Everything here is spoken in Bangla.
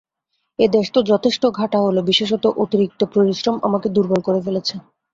এ দেশ তো যথেষ্ট ঘাঁটা হল, বিশেষত অতিরিক্ত পরিশ্রম আমাকে দুর্বল করে ফেলেছে।